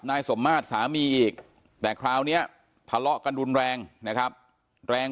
นายสมมาตรสามีอีกแต่คราวนี้ทะเลาะกันรุนแรงนะครับแรง